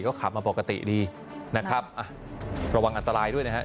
ก็ขับมาปกติดีนะครับอ่ะระวังอันตรายด้วยนะฮะ